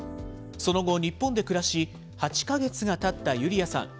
その後、日本で暮らし、８か月がたったユリヤさん。